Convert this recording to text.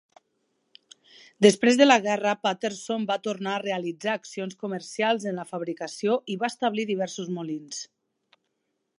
Després de la guerra, Patterson va tornar a realitzar accions comercials en la fabricació i va establir diversos molins.